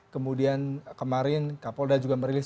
kemudian kemarin kapolda juga merilis